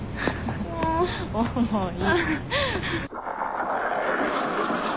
重い。